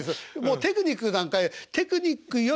テクニックなんかよりテクニックよりも。